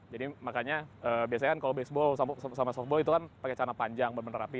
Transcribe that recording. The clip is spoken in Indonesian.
jadi makanya biasanya kan kalau baseball sama softball itu kan pakai cana panjang bener bener rapi